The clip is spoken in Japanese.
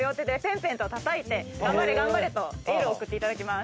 頑張れ頑張れとエールを送っていただきます。